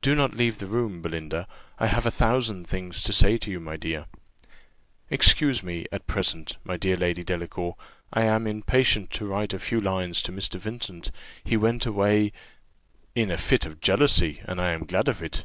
"Do not leave the room, Belinda; I have a thousand things to say to you, my dear." "Excuse me, at present, my dear Lady Delacour; I am impatient to write a few lines to Mr. Vincent. He went away " "In a fit of jealousy, and I am glad of it."